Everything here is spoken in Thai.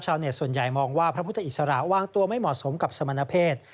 ส่วนใหญ่มองว่าพระพุทธอิสระวางตัวไม่เหมาะสมกับสมณเพศ